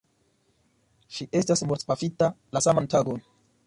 Ŝi estas mortpafita la saman tagon.